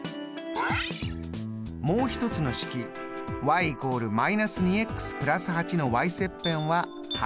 もう一つの式ｙ＝−２＋８のｙ切片は８。